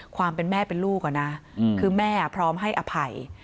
ความเป็นแม่เป็นลูกอะนะคือแม่พร้อมให้อภัย